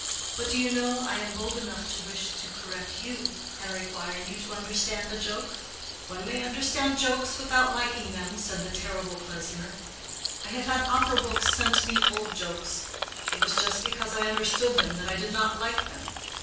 But do you know I am bold enough to wish to correct you, and require you to understand a joke?" "One may understand jokes without liking them," said the terrible Klesmer. "I have had opera books sent me full of jokes; it was just because I understood them that I did not like them.